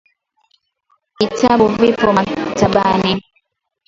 vitabu vipo maktabani